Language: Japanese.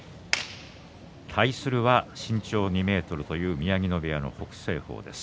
対するは身長２ｍという宮城野部屋の北青鵬です。